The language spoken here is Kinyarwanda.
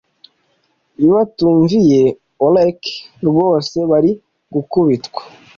iyo batumviye oracle rwose bari gukubitwa